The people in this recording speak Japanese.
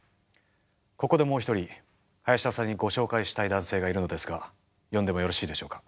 ここでもう一人林田さんにご紹介したい男性がいるのですが呼んでもよろしいでしょうか？